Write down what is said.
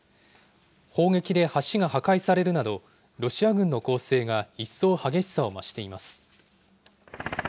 砲撃で橋が破壊されるなど、ロシア軍の攻勢が一層激しさを増しています。